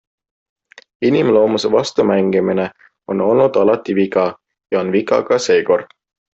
Inimloomuse vastu mängimine on olnud alati viga ja on viga ka seekord.